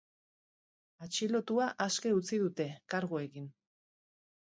Atxilotua aske utzi dute, karguekin.